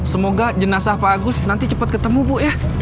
semoga jenazah pak agus nanti cepat ketemu bu ya